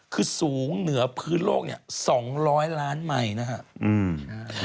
คือสูงเหนือพื้นโลกเนี่ย๒๐๐ล้านไมค์นะครับ